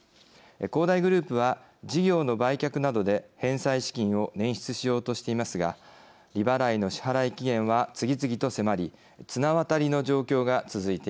恒大グループは事業の売却などで返済資金を捻出しようとしていますが利払いの支払い期限は次々と迫り綱渡りの状況が続いています。